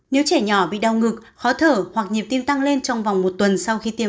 một mươi chín nếu trẻ nhỏ bị đau ngực khó thở hoặc nhiệm tim tăng lên trong vòng một tuần sau khi tiêm